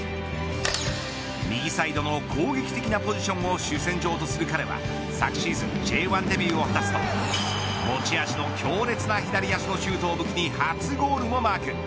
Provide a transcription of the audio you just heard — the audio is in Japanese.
右サイドの攻撃的なポジションを主戦場とする彼は昨シーズンＪ１デビューを果たすと持ち味の強烈な左足のシュートを武器に初ゴールをマーク。